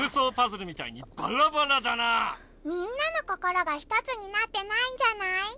みんなの心がひとつになってないんじゃない？